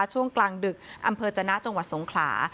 ช่วงกลางดึกอำเภอจนะจังหวัดสงขลา